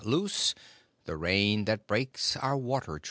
loose The rain that breaks the Water Truce.